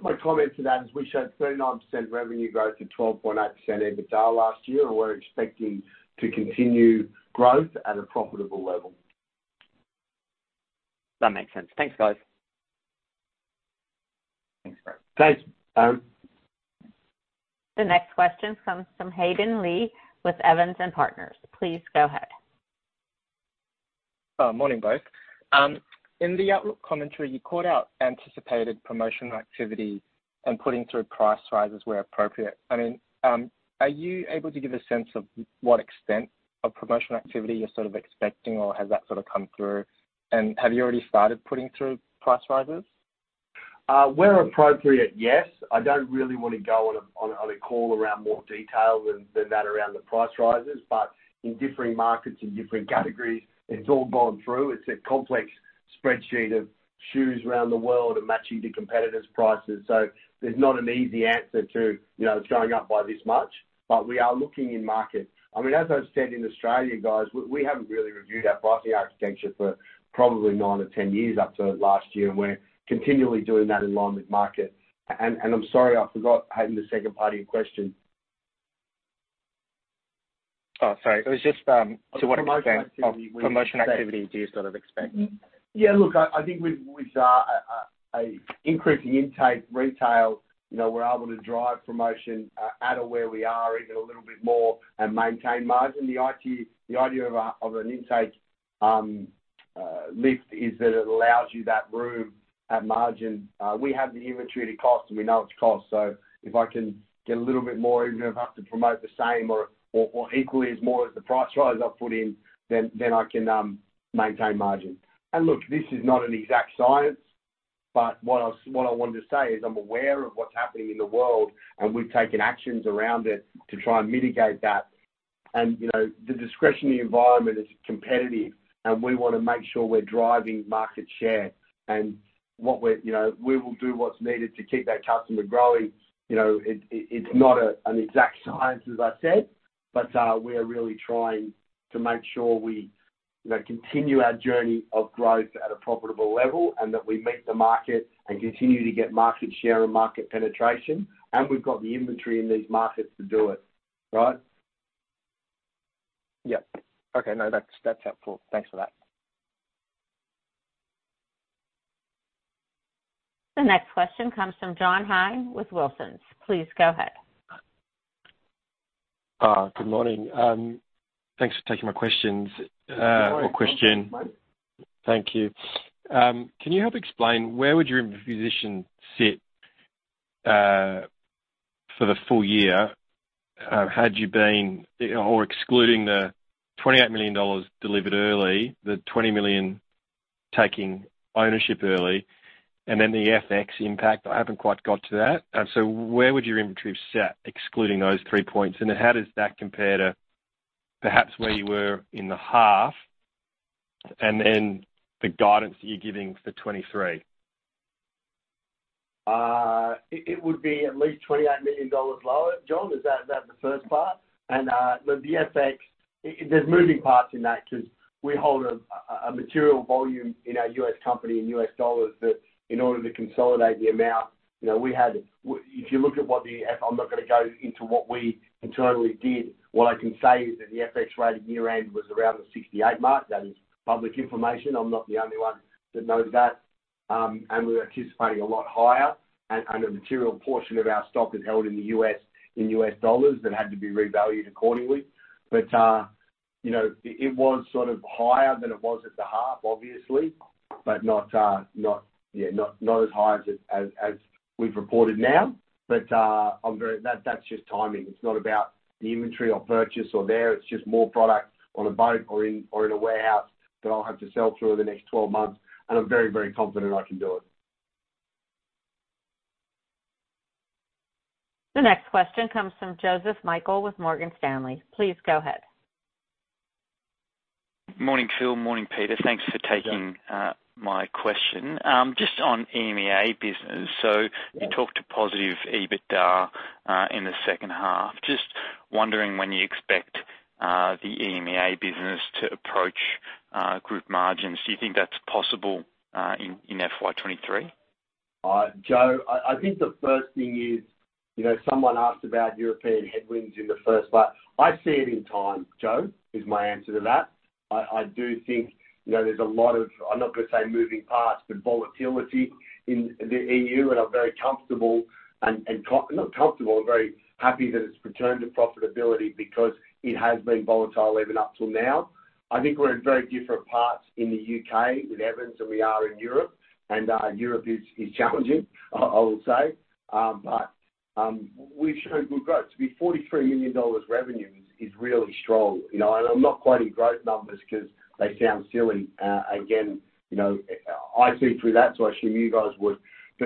[SPEAKER 2] My comment to that is we showed 39% revenue growth to 12.8% EBITDA last year, and we're expecting to continue growth at a profitable level.
[SPEAKER 9] That makes sense. Thanks, guys.
[SPEAKER 2] Thanks.
[SPEAKER 1] The next question comes from Hayden Wong with Evans and Partners. Please go ahead.
[SPEAKER 10] Morning, both. In the outlook commentary, you called out anticipated promotional activity and putting through price rises where appropriate. I mean, are you able to give a sense of what extent of promotional activity you're sort of expecting, or has that sort of come through? Have you already started putting through price rises?
[SPEAKER 2] Where appropriate, yes. I don't really wanna go on a call around more detail than that around the price rises. In differing markets and different categories, it's all gone through. It's a complex spreadsheet of SKUs around the world and matching to competitors' prices. There's not an easy answer to, you know, it's going up by this much. We are looking in market. I mean, as I've said in Australia, guys, we haven't really reviewed our pricing architecture for probably nine or 10 years up to last year, and we're continually doing that in line with market. I'm sorry, I forgot, Hayden, the second part of your question.
[SPEAKER 10] Oh, sorry. It was just to what extent.
[SPEAKER 2] Promotion activity
[SPEAKER 7] of promotion activity do you sort of expect?
[SPEAKER 2] Yeah, look, I think with increasing intake retail, you know, we're able to drive promotion out of where we are even a little bit more and maintain margin. The idea of an intake lift is that it allows you that room at margin. We have the inventory, the cost, and we know its cost. So if I can get a little bit more, even if I have to promote the same or equally as more as the price rise I've put in, then I can maintain margin. Look, this is not an exact science, but what I wanted to say is I'm aware of what's happening in the world, and we've taken actions around it to try and mitigate that. You know, the discretionary environment is competitive, and we wanna make sure we're driving market share. You know, we will do what's needed to keep that customer growing. You know, it's not an exact science, as I said, but we are really trying to make sure we, you know, continue our journey of growth at a profitable level and that we meet the market and continue to get market share and market penetration. We've got the inventory in these markets to do it, right?
[SPEAKER 10] Yeah. Okay. No, that's helpful. Thanks for that.
[SPEAKER 1] The next question comes from John Hynd with Wilsons. Please go ahead.
[SPEAKER 11] Good morning. Thanks for taking my questions, or question.
[SPEAKER 2] Good morning.
[SPEAKER 11] Thank you. Can you help explain where your position would sit for the full-year, excluding the 28 million dollars delivered early, the 20 million taking ownership early, and then the FX impact? I haven't quite got to that. Where would your inventory sit excluding those three points? How does that compare to perhaps where you were in the half, and then the guidance that you're giving for 2023?
[SPEAKER 2] It would be at least $28 million lower, John. Is that the first part? The FX, there's moving parts in that 'cause we hold a material volume in our U.S. company in US dollars that in order to consolidate the amount, you know, I'm not gonna go into what we internally did. What I can say is that the FX rate at year-end was around the 68 mark. That is public information. I'm not the only one that knows that. We're anticipating a lot higher, and a material portion of our stock is held in the U.S.., in US dollars that had to be revalued accordingly. You know, it was sort of higher than it was at the half, but not as high as we've reported now. That's just timing. It's not about the inventory or purchase or there. It's just more product on a boat or in a warehouse that I'll have to sell through the next 12 months, and I'm very, very confident I can do it.
[SPEAKER 1] The next question comes from Joseph Michael with Morgan Stanley. Please go ahead.
[SPEAKER 12] Morning, Phil. Morning, Peter.
[SPEAKER 2] Yeah.
[SPEAKER 12] Thanks for taking my question. Just on EMEA business.
[SPEAKER 2] Yeah.
[SPEAKER 12] You talked about positive EBITDA in the second half. Just wondering when you expect the EMEA business to approach group margins. Do you think that's possible in FY 2023?
[SPEAKER 2] Joe, I think the first thing is, you know, someone asked about European headwinds in the first part. I see it in time, Joe, is my answer to that. I do think, you know, there's a lot of, I'm not gonna say moving parts, but volatility in the EU, and I'm very happy that it's returned to profitability because it has been volatile even up till now. I think we're in very different parts in the U.K. with Evans than we are in Europe. Europe is challenging, I will say. We've shown good growth. To be 43 million dollars revenue is really strong. You know, and I'm not quoting growth numbers 'cause they sound silly. Again, you know, I see through that, so I assume you guys would.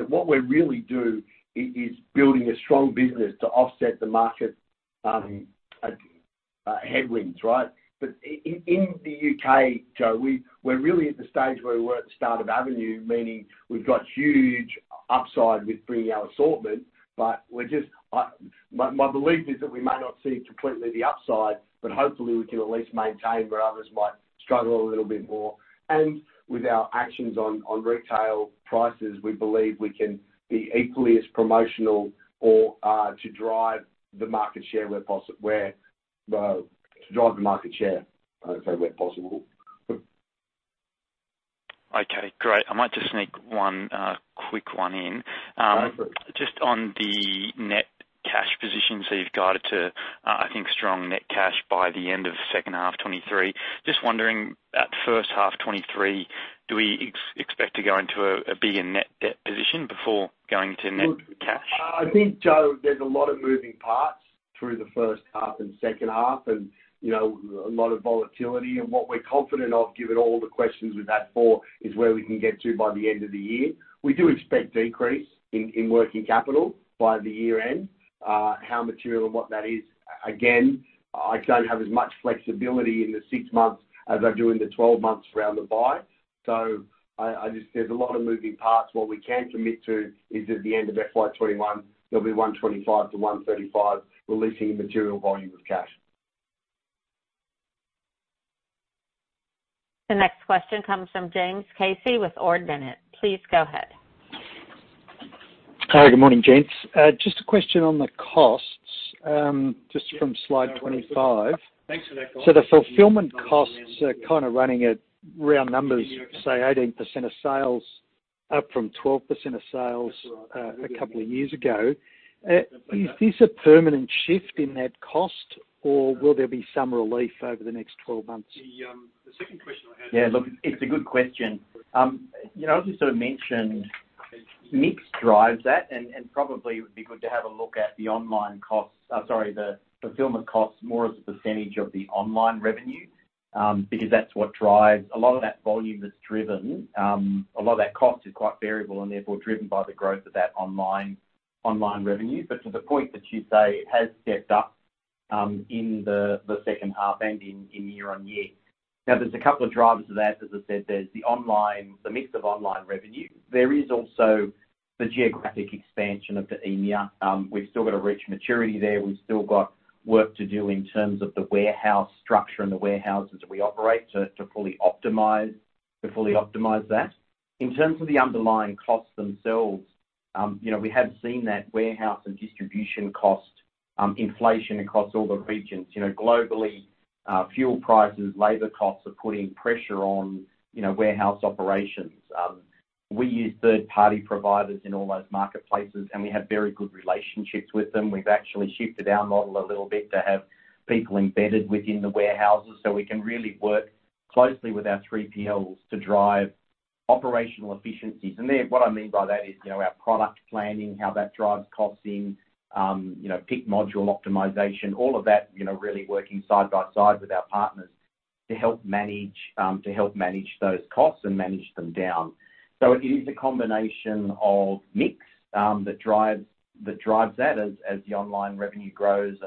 [SPEAKER 2] What we really do is building a strong business to offset the market headwinds, right? In the U.K., Joe, we're really at the stage where we were at the start of Avenue, meaning we've got huge upside with bringing our assortment, but we're just. My belief is that we may not see completely the upside, but hopefully we can at least maintain where others might struggle a little bit more. With our actions on retail prices, we believe we can be equally as promotional or to drive the market share, I'd say, where possible.
[SPEAKER 12] Okay, great. I might just sneak one quick one in.
[SPEAKER 2] No, please.
[SPEAKER 12] Just on the net cash position, so you've guided to, I think, strong net cash by the end of second half 2023. Just wondering, at first half 2023, do we expect to go into a bigger net debt position before going to net cash?
[SPEAKER 2] Look, I think, Joe, there's a lot of moving parts through the first half and second half and, you know, a lot of volatility. What we're confident of, given all the questions we've had so far, is where we can get to by the end of the year. We do expect decrease in working capital by the year-end. How material and what that is, again, I don't have as much flexibility in the 6 months as I do in the 12 months around the buy. I just. There's a lot of moving parts. What we can commit to is at the end of FY 2021, there'll be 125-135 releasing a material volume of cash.
[SPEAKER 1] The next question comes from James Casey with Ord Minnett. Please go ahead.
[SPEAKER 13] Hi, good morning, gents. Just a question on the costs, just from slide 25. The fulfillment costs are running at round numbers, say 18% of sales, up from 12% of sales, a couple of years ago. Is this a permanent shift in that cost, or will there be some relief over the next 12 months?
[SPEAKER 3] Yeah, look, it's a good question. You know, as you sort of mentioned, mix drives that, and probably it would be good to have a look at the fulfillment costs more as a percentage of the online revenue, because that's what drives a lot of that volume that's driven, a lot of that cost is quite variable and therefore driven by the growth of that online revenue. But to the point that you say, it has stepped up in the second half and in year-on-year. Now, there's a couple of drivers of that. As I said, there's the online, the mix of online revenue. There is also the geographic expansion of the EMEA. We've still got to reach maturity there. We've still got work to do in terms of the warehouse structure and the warehouses that we operate to fully optimize that. In terms of the underlying costs themselves, you know, we have seen that warehouse and distribution cost inflation across all the regions. You know, globally, fuel prices, labor costs are putting pressure on, you know, warehouse operations. We use third-party providers in all those marketplaces, and we have very good relationships with them. We've actually shifted our model a little bit to have people embedded within the warehouses, so we can really work closely with our 3PLs to drive operational efficiencies. There, what I mean by that is, you know, our product planning, how that drives costing, you know, pick module optimization, all of that, you know, really working side by side with our partners to help manage those costs and manage them down. It is a combination of mix, that drives that as the online revenue grows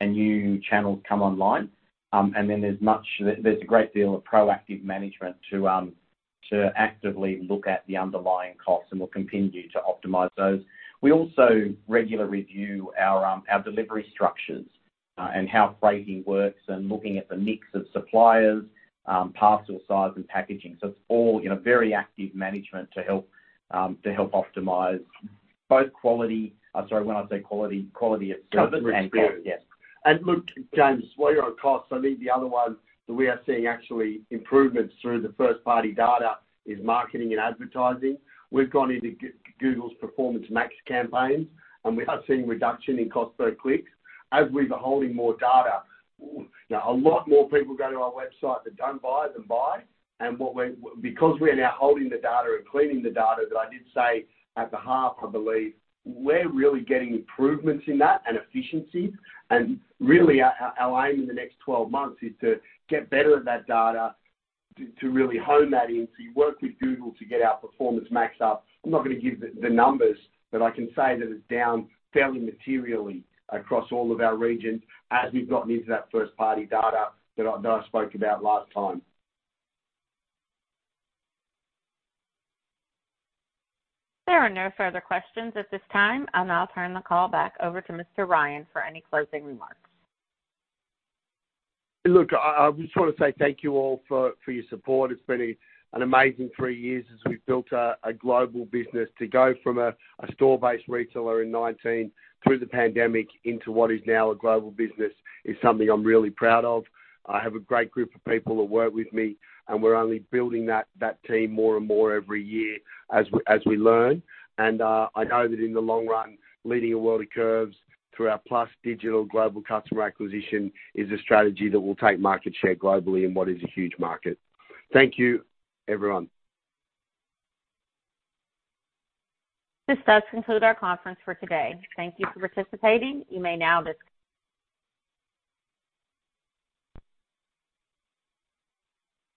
[SPEAKER 3] and new channels come online. There's a great deal of proactive management to actively look at the underlying costs, and we'll continue to optimize those. We also regularly review our delivery structures, and how freighting works and looking at the mix of suppliers, parcel size and packaging. It's all, you know, very active management to help optimize both quality, sorry, when I say quality of service and cost. Yeah.
[SPEAKER 2] Look, James, while you're on costs, I think the other one that we are seeing actually improvements through the first-party data is marketing and advertising. We've gone into Google's Performance Max campaigns, and we are seeing reduction in cost per click. As we've been holding more data, you know, a lot more people go to our website that don't buy than buy. Because we're now holding the data and cleaning the data that I did say at the half, I believe, we're really getting improvements in that and efficiencies. Really our aim in the next 12 months is to get better at that data, to really hone that in. You work with Google to get our Performance Max up. I'm not gonna give the numbers, but I can say that it's down fairly materially across all of our regions as we've gotten into that first-party data that I spoke about last time.
[SPEAKER 1] There are no further questions at this time. I'll now turn the call back over to Mr. Ryan for any closing remarks.
[SPEAKER 2] Look, I just wanna say thank you all for your support. It's been an amazing three years as we've built a global business to go from a store-based retailer in 2019 through the pandemic into what is now a global business is something I'm really proud of. I have a great group of people that work with me, and we're only building that team more and more every year as we learn. I know that in the long run, leading a world of curves through our plus digital global customer acquisition is a strategy that will take market share globally in what is a huge market. Thank you, everyone.
[SPEAKER 1] This does conclude our conference for today. Thank you for participating. You may now disconnect.